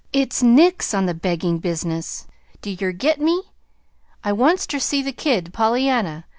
It's nix on the beggin' business. Do yer get me? I wants ter see the kid, Pollyanna.